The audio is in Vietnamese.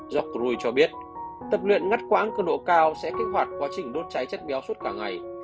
jock ru cho biết tập luyện ngắt quãng cường độ cao sẽ kích hoạt quá trình đốt cháy chất béo suốt cả ngày